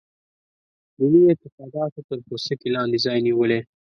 دیني اعتقاداتو تر پوستکي لاندې ځای نیولی.